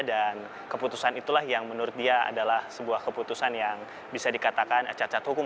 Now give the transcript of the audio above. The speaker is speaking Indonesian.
dan keputusan itulah yang menurut dia adalah sebuah keputusan yang bisa dikatakan cacat hukum